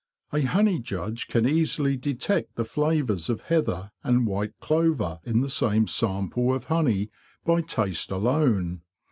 A honey judge can easily detect the flavours of heather and white clover in the same sample of honey by taste alone.